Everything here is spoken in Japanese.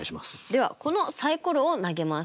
ではこのサイコロを投げます。